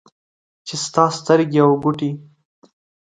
چې ستا سترګې او ګوټې